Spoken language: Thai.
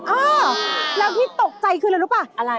เออแล้วที่ตกใจคืออะไรรู้ป่ะอะไร